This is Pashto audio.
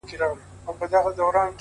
زما سره يې دومره ناځواني وكړله ‘